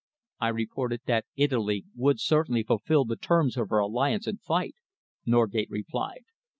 "I reported that Italy would certainly fulfil the terms of her alliance and fight," Norgate replied.